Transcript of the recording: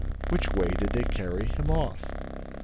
Which way did they carry him off?